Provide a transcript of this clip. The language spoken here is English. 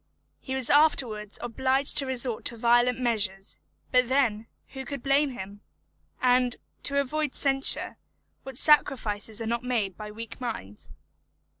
He was afterwards obliged to resort to violent measures; but then, who could blame him? And, to avoid censure, what sacrifices are not made by weak minds?